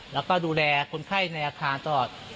แล้วก็ดูแลคนไข้ในอาคารตลอด